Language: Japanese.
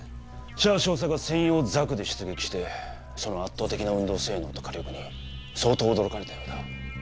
シャア少佐が専用ザクで出撃してその圧倒的な運動性能と火力に相当驚かれたようだ。